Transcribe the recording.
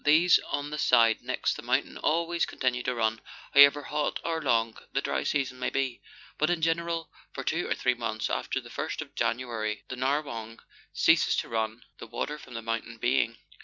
These on the side next the mountain always con tinue to run, however hot or long the dry season may be ; but in general, for two or three months after the first of January, the Narrewong ceases to run, the water from the mountain being 102 Letters from Victorian Pioneers.